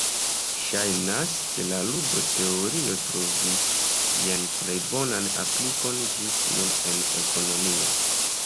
Ŝajnas ke la ludo-teorio trovis sian plej bonan aplikon ĝis nun en ekonomio.